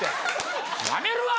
やめるわ！